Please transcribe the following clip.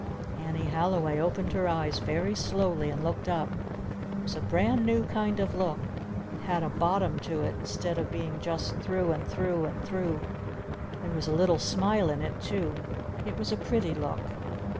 _" Annie Halliway opened her eyes very slowly and looked up. It was a brand new kind of a look. It had a bottom to it instead of being just through and through and through. There was a little smile in it too. It was a pretty look.